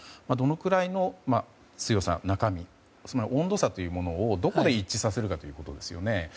どのくらいの強さ、中身つまり温度差をどこで一致させるかということですね。